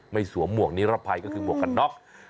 ไม่สวมหมวกนิรับภัยก็คือหมวกกันด๊อค